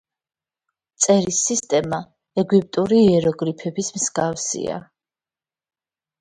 წერის სისტემა ეგვიპტური იეროგლიფების მსგავსია.